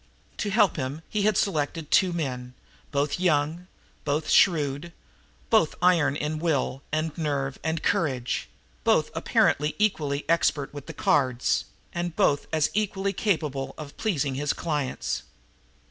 To help him he had selected two men, both young, both shrewd, both iron in will and nerve and courage, both apparently equally expert with the cards, and both just as equally capable of pleasing his clients.